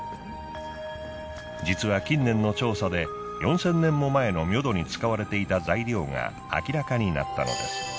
実は近年の調査で４０００年も前のミョドに使われていた材料が明らかになったのです。